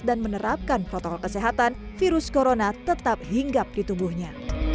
menerapkan protokol kesehatan virus corona tetap hinggap di tubuhnya